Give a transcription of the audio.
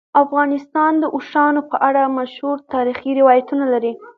افغانستان د اوښانو په اړه مشهور تاریخی روایتونه لري.